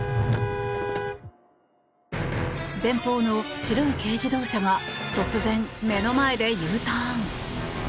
前方の白い軽自動車が突然、目の前でＵターン！